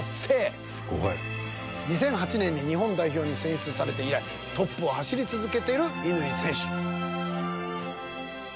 ２００８年に日本代表に選出されて以来トップを走り続けている乾選手。